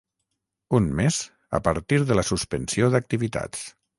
Un mes a partir de la suspensió d'activitats.